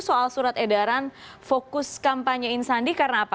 soal surat edaran fokus kampanyein sandi karena apa